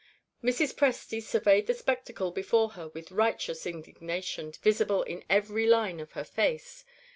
Mrs. Presty surveyed the spectacle before her with righteous indignation visible in every line of her face.